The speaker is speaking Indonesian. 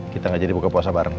kita gak jadi buka puasa bareng